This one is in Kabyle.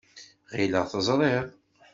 Ɣileɣ teẓriḍ.